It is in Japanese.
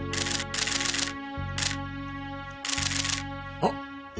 あっ！